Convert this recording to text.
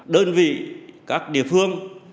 đơn vị các địa phương